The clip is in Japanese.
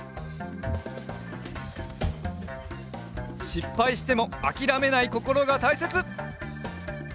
しっぱいしてもあきらめないこころがたいせつ！